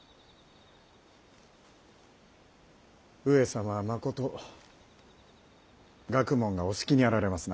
上様はまこと学問がお好きにあられますな。